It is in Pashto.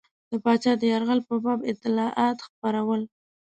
د پاچا د یرغل په باب اطلاعات خپرول.